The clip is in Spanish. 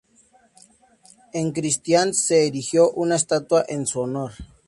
En Kristianstad se erigió una estatua en su honor.